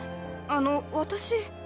あの私。